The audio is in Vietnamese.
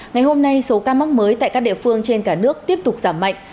ngày hôm nay số ca mắc mới tại các địa phương trên cả nước tiếp tục giảm mạnh